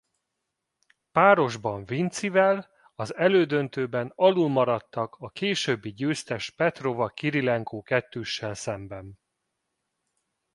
Párosban Vincivel az elődöntőben alulmaradtak a későbbi győztes Petrova–Kirilenko-kettőssel szemben.